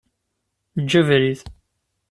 Eǧǧ abrid.